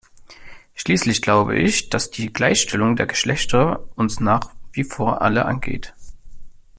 Schließlich glaube ich, dass die Gleichstellung der Geschlechter uns nach wie vor alle angeht.